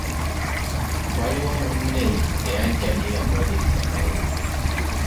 Waaliwo munne eyajja ye yamwaniriza mangu.